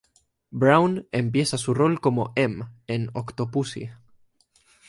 Brown empieza su rol como "M" en "Octopussy".